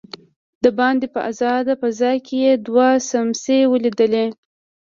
دباندې په آزاده فضا کې يې دوه سمڅې وليدلې.